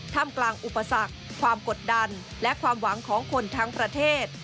ทำกลางอุปสรรคความกดดันและความหวังของคนทั้งประเทศ